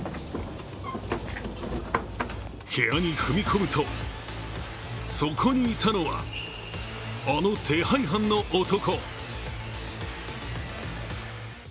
部屋に踏み込むとそこにいたのは、あの手配犯の男。